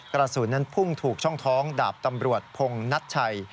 กระสุนนั้นพุ่งถูกช่องท้องดาบตำรวจพงนัชชัย